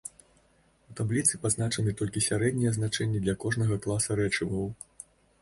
У табліцы пазначаны толькі сярэднія значэнні для кожнага класа рэчываў.